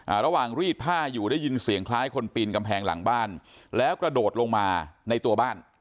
ระหว่างรีดผ้าอยู่ได้ยินเสียงคล้ายคนปีนกำแพงหลังบ้านแล้วกระโดดลงมาในตัวบ้าน